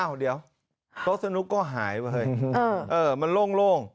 อ้าวเดี๋ยวโต๊ะสนุกก็หายไว้เห้ยเออมันโล่ง